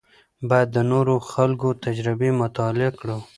باید د نورو خلکو تجربې مطالعه کړو.